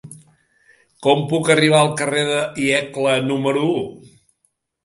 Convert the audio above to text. Com puc arribar al carrer de Iecla número u?